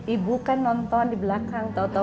ibu kan nonton di belakang tau tau